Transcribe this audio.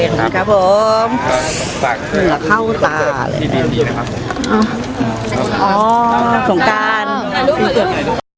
โอเคขอบคุณครับผมเหลือเข้าตาเลยอ๋อส่วนการ